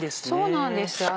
そうなんです。